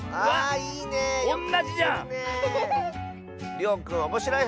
りょうくんおもしろいはっけん